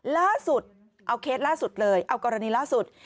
ล่าสุดเอาเคสล่าสุดเลยเอากรณีล่าสุด